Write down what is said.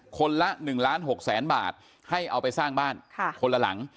คนละ๑ล้าน๖แสนบาทให้เอาไปสร้างบ้านคนละหลัง